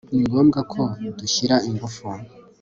Ni ngombwa ko dushyira ingufu